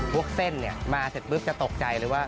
พวกเส้นมาเสร็จปุ๊บจะตกใจเลยว่า